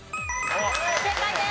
正解です。